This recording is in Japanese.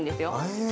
へえ。